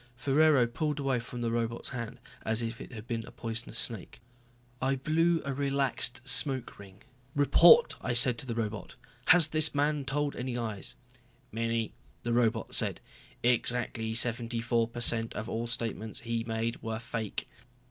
Ferraro pulled away from the robot's hand as if it had been a poisonous snake. I blew a relaxed smoke ring. "Report," I said to the robot. "Has this man told any lies?" "Many," the robot said. "Exactly seventy four per cent of all statements he made were fake."